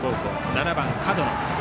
７番、角野。